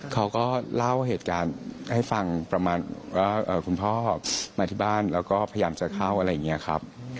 เขาก็เล่าเหตุการณ์ให้ฟังประมาณว่าคุณพ่อมาที่บ้านแล้วก็พยายามจะเข้าอะไรอย่างนี้ครับ